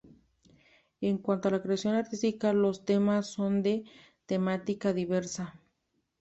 En cuanto a la creación artística, los temas son de temática diversa.